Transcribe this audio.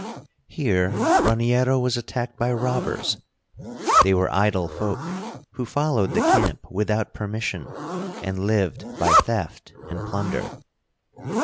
Here Raniero was attacked by robbers. They were idle folk, who followed the camp without permission, and lived by theft and plunder.